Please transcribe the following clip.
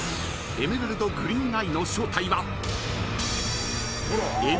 ［エメラルドグリーンアイの正体は］